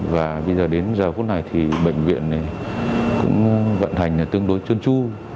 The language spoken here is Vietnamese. và bây giờ đến giờ phút này thì bệnh viện này cũng vận hành tương đối chân tru